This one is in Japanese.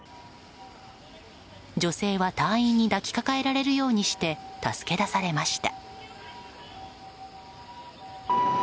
女性は隊員に抱きかかえられるようにして助け出されました。